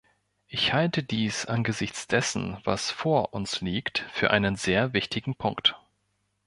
Ich halte dies angesichts dessen, was vor uns liegt, für einen sehr wichtigen Punkt.